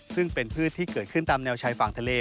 ซึ่งเป็นพืชที่เกิดขึ้นตามแนวชายฝั่งทะเล